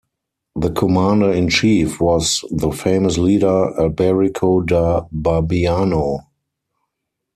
The commander in chief was the famous leader Alberico da Barbiano.